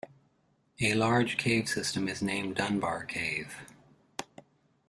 A large cave system is named Dunbar Cave.